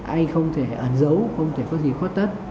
anh không thể ẩn dấu không thể có gì khuất tất